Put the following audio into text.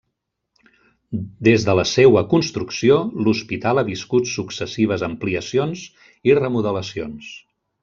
Des de la seua construcció, l'Hospital ha viscut successives ampliacions i remodelacions.